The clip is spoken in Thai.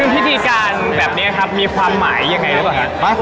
ที่ที่การแบบนี้ครับมีความหมายยังไงครับ